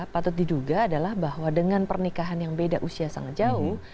patut diduga adalah bahwa dengan pernikahan yang beda usia sangat jauh